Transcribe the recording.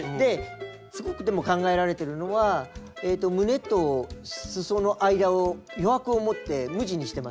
すごくでも考えられてるのは胸とすその間を余白をもって無地にしてますよね。